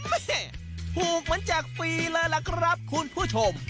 แม่ถูกเหมือนแจกฟรีเลยล่ะครับคุณผู้ชม